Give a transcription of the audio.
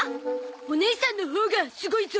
おねいさんのほうがすごいゾ。